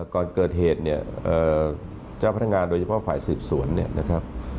ก่อนเกิดเหตุเนี่ยเจ้าพนักงานโดยเฉพาะฝ่ายสืบสวนเนี่ยนะครับ